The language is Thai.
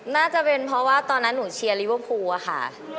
น่าจะเป็นเพราะว่าตอนนั้นหนูเชียร์ลิเวอร์พูลอะค่ะ